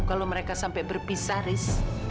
kalau mereka sampai berpisah ris